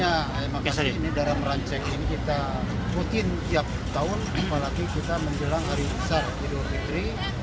pemeriksaan kali ini menyasar bus antarkota antarprovinsi dan minibus antarkota dalam provinsi